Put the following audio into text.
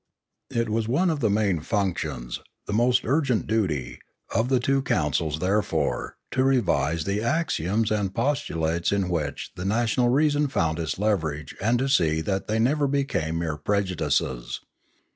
It was one of the main functions, the most urgent duty, of the two councils, therefore, to revise the axioms and postulates in which the national reason found its leverage and to see that they never became mere prejudices.